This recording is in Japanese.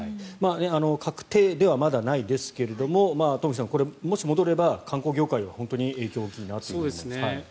確定ではまだないですが東輝さん、もし戻れば観光業界は本当に影響大きいなと思いますね。